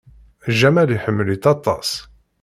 Jamal iḥemmel-itt aṭas.